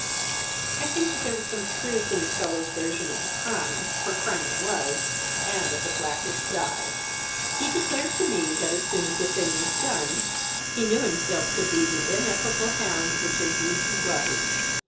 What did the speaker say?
"I think there was some truth in the fellow's version of the crime for crime it was, and of the blackest dye. He declared to me that as soon as the thing was done, he knew himself to be the ineffable hound which he indeed was.